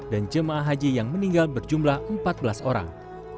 dan jemaah haji yang meninggal berjumlah empat belas orang